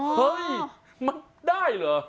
เฮ้ยมันได้เหรอ